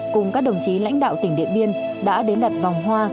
cùng các đồng chí lãnh đạo tỉnh điện biên đã đến đặt vòng hoa